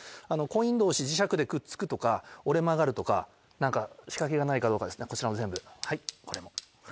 コイン同士磁石でくっつくとか折れ曲がるとか何か仕掛けがないかどうかこちらも全部はいこれも。